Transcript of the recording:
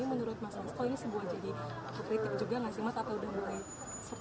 ini menurut mas masko ini sebuah jadi kritik juga mas